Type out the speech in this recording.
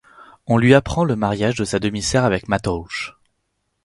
On lui apprend le mariage de sa demi-sœur avec Matholwch.